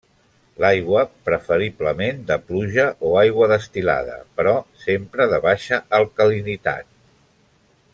L'aigua preferiblement de pluja o aigua destil·lada, però sempre de baixa alcalinitat.